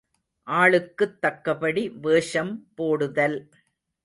ஆளுக்குத் தக்கபடி வேஷம் போடுதல்.